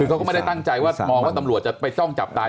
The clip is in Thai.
คือเขาก็ไม่ได้ตั้งใจว่ามองว่าตำรวจจะไปจ้องจับตาย